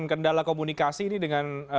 kendala komunikasi ini dengan